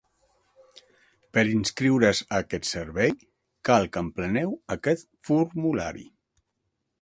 Per inscriure's a aquest servei, cal que empleneu aquest formulari.